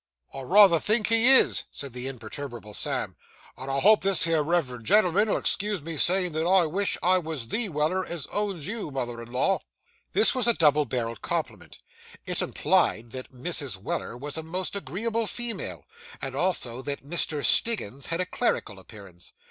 'I rayther think he is,' said the imperturbable Sam; 'and I hope this here reverend gen'l'm'n 'll excuse me saying that I wish I was _the _Weller as owns you, mother in law.' This was a double barrelled compliment. It implied that Mrs. Weller was a most agreeable female, and also that Mr. Stiggins had a clerical appearance.